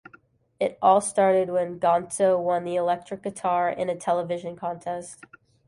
It all started when Gontzo won an electric guitar in a television contest.